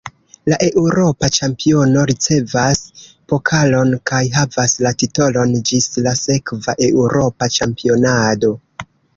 La eŭropa ĉampiono ricevas pokalon kaj havas la titolon ĝis la sekva eŭropa ĉampionado.